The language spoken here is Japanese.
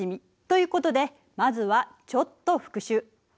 ということでまずはちょっと復習。